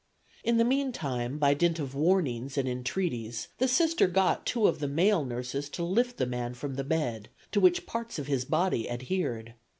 In the meantime, by dint of warnings and entreaties, the Sister got two of the male nurses to lift the man from the bed, to which parts of his body adhered.